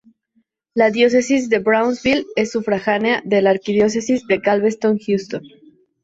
La Diócesis de Brownsville es sufragánea de la Arquidiócesis de Galveston-Houston.